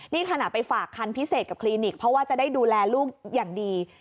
นี่ขณะไปฝากคันพิเศษกับคลินิกเพราะว่าจะได้ดูแลลูกอย่างดี